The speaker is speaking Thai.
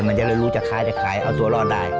มันจะรู้จัดคล้ายเอาตัวรอดได้